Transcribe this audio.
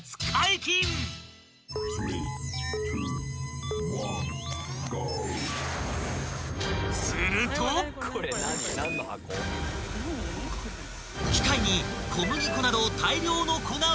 ［機械に小麦粉など大量の粉をイン！］